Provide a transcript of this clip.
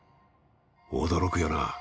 驚くよな。